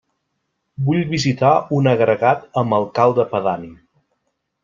Vull visitar un agregat amb alcalde pedani.